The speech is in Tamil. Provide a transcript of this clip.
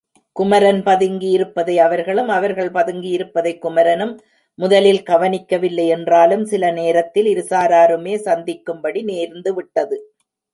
குமரன் பதுங்கியுருப்பதை அவர்களும், அவர்கள் பதுங்கியிருப்பதை குமரனும் முதலில் கவனிக்கவில்லை என்றாலும் சிறிது நேரத்தில் இருசாராருமே சந்திக்கும்படி நேர்ந்துவிட்டது.